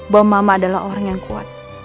bahwa mama adalah orang yang kuat